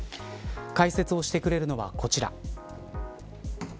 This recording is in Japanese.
解説をしてくれるのは、こちら。